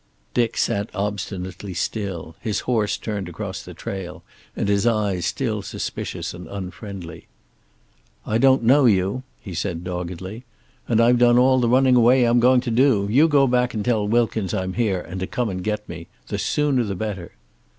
Dick sat obstinately still, his horse turned across the trail, and his eyes still suspicious and unfriendly. "I don't know you," he said doggedly. "And I've done all the running away I'm going to do. You go back and tell Wilkins I'm here and to come and get me. The sooner the better."